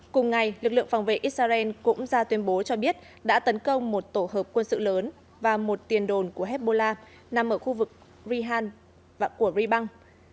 cùng ngày lực lượng phòng vệ israel cũng ra tuyên bố cho biết đã tấn công một tổ hợp quân sự lớn và một tiền đồn của hezbollah nằm ở khu vực rihal và của ribang